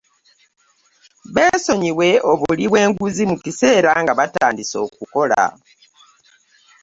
Beesonyiwe obuli bw'enguzi mu kiseera nga batandise okukola